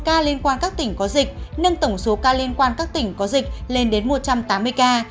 một ca liên quan các tỉnh có dịch nâng tổng số ca liên quan các tỉnh có dịch lên đến một trăm tám mươi ca